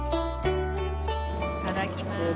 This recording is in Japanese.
いただきまーす。